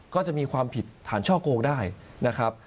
ก็จะมีความผิดฐานช่อโกงได้นะครับ